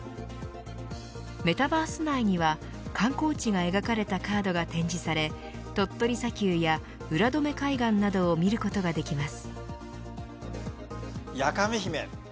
メタバース内には観光地が描かれたカードが展示され鳥取砂丘や浦富海岸などを見ることができます。